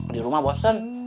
di rumah bosen